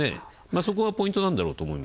そこがポイントなんだろうと。